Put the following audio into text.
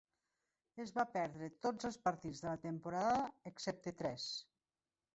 Es va perdre tots els partits de la temporada excepte tres.